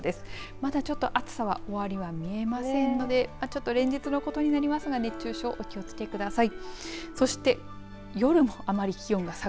まだちょっと暑さの終わりは見えませんので連日のことにはなりますが熱中症にはお気を付けください。